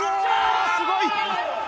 すごい！